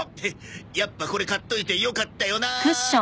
やっぱこれ買っといてよかったよな。